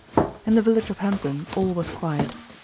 In the village of Hempdon all was quiet.